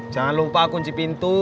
jangan lupa kunci pintu